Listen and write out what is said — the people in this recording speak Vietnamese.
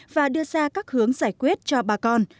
và đưa ra các hướng giải quyết cho bà con